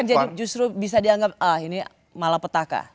bukan jadi justru bisa dianggap ah ini malah petaka